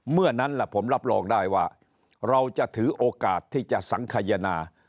เมื่อนั้นผมรับรองได้ว่าเราจะถือโอกาสที่จะสังขยนา